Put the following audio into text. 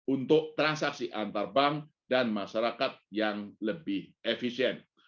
untuk transaksi antar bank dan masyarakat yang lebih efisien